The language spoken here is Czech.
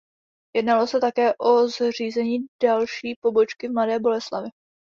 Jednalo se také o zřízení další pobočky v Mladé Boleslavi.